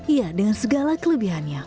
iya dengan segala kelebihannya